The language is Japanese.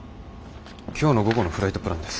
今日の午後のフライトプランです。